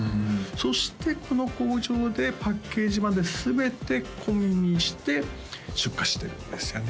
そしてこの工場でパッケージまで全て込みにして出荷してるんですよね